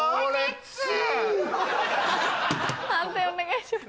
判定お願いします。